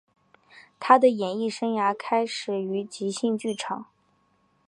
他的演艺生涯开始于即兴剧场。